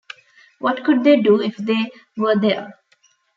What could they do if they were there?